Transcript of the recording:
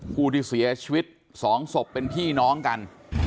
ผู้ที่เสียชีวิต๒ศพเป็นพี่น้องกัน